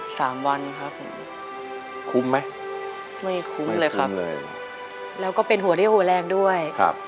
สามวันครับผมคุ้มไหมไม่คุ้มเลยครับไม่คุ้มเลยแล้วก็เป็นหัวได้หัวแรงด้วยครับ